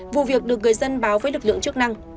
vụ việc được người dân báo với lực lượng chức năng